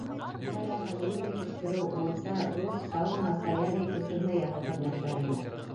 Ундайҙарға мебель етештереү, мунса, душ, сауна, солярий, күсермә яһау хеҙмәттәре инә.